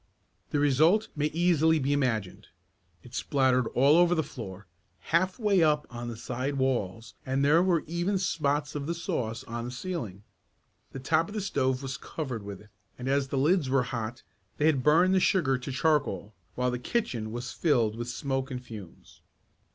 The result may easily be imagined. It splattered all over the floor, half way up on the side walls, and there were even spots of the sauce on the ceiling. The top of the stove was covered with it, and as the lids were hot they had burned the sugar to charcoal, while the kitchen was filled with smoke and fumes.